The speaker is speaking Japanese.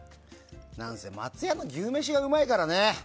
なんせ松屋の牛めしがうまいからね。